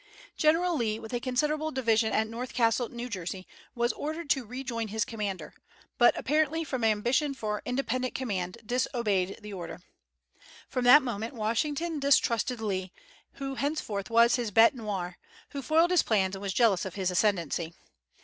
General Lee, with a considerable division at North Castle, N.J., was ordered to rejoin his commander, but, apparently from ambition for independent command, disobeyed the order. From that moment Washington distrusted Lee, who henceforth was his bête noir, who foiled his plans and was jealous of his ascendency.